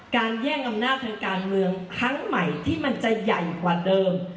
แย่งอำนาจทางการเมืองครั้งใหม่ที่มันจะใหญ่กว่าเดิม